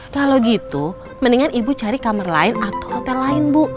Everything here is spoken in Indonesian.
kalau gitu mendingan ibu cari kamar lain atau hotel lain bu